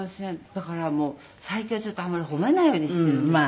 だからもう最近はちょっとあまり褒めないようにしているんです。